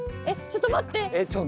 ちょっと待って。